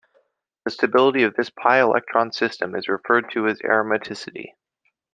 The stability of this pi-electron system is referred to as aromaticity.